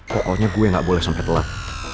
pokoknya gue gak boleh sampai telat